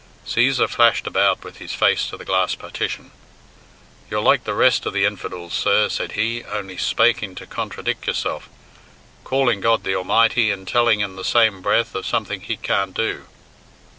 Cæsar flashed about with his face to the glass partition. "You're like the rest of the infidels, sir," said he, "only spaking to contradick yourself calling God the Almighty, and telling in the same breath of something He can't do."